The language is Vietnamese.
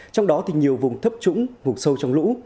trong đó thì nhiều vùng thấp trũng vùng sâu trong lũ